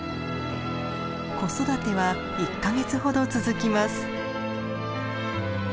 子育ては１か月ほど続きます。